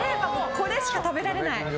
これしか食べられない。